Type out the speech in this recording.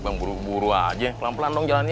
bang buru buru aja pelan pelan dong jalannya